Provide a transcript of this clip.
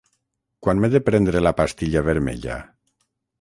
Quan m'he de prendre la pastilla vermella?